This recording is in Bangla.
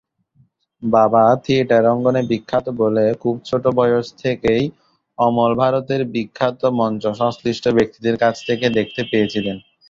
বাবা থিয়েটার অঙ্গনে বিখ্যাত বলে খুব ছোট বয়স থেকেই অমল ভারতের বিখ্যাত মঞ্চ সংশ্লিষ্ট ব্যক্তিদের কাছ থেকে দেখতে পেয়েছিলেন।